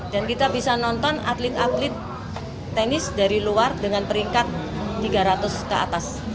dan kita bisa nonton atlet atlet tenis dari luar dengan peringkat tiga ratus ke atas